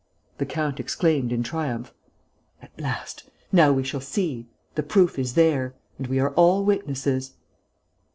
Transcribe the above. The count exclaimed, in triumph: "At last! Now we shall see!... The proof is there! And we are all witnesses...."